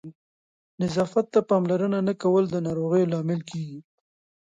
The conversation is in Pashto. نظافت ته پاملرنه نه کول د ناروغیو لامل کېږي.